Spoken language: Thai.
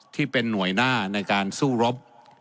ที่เป็นหน่วยหน้าในการสู้รบ